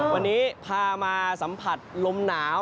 วันนี้พามาสัมผัสลมหนาว